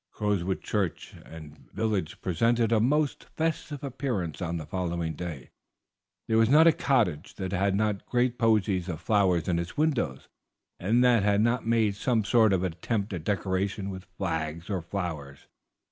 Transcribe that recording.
Crowswood church and village presented a most festive appearance on the following day; there was not a cottage that had not great posies of flowers in its windows, and that had not made some sort of attempt at decoration with flags or flowers.